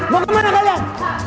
mau kemana kalian